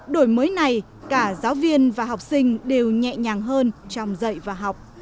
đổi mới này cả giáo viên và học sinh đều nhẹ nhàng hơn trong dạy và học